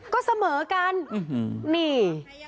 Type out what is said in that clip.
ก็เสมอกันนี่